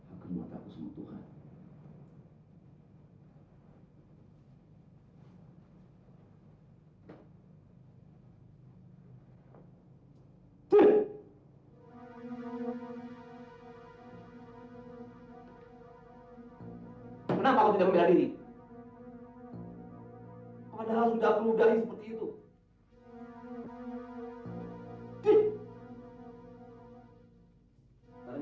aku tidak takut sama tuhan